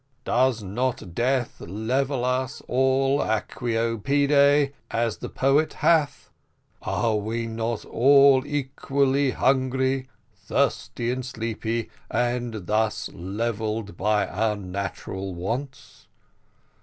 does not death level us all aequo pede, as the poet hath? are we not all equally hungry, thirsty, and sleepy, and thus levelled by our natural wants?